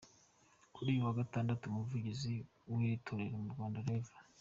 Kuri uyu wa Gatandatu Umuvugizi w’iri Torero mu Rwanda, Rev.